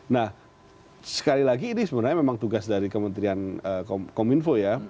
nah sekali lagi ini sebenarnya memang tugas dari kementerian kominfo ya